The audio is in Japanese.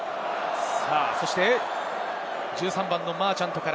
１３番のマーチャントか